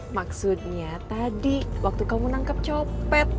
maksudnya tadi waktu kamu nangkep copet